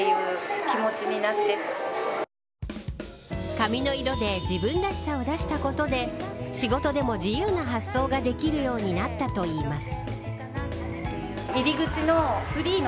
髪の色で自分らしさを出したことで仕事でも自由な発想ができるようになったといいます。